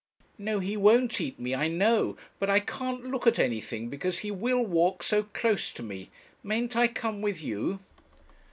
'No, he won't eat me, I know; but I can't look at anything, because he will walk so close to me! Mayn't I come with you?'